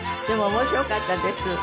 でも面白かったです。